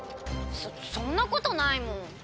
そそんなことないもん。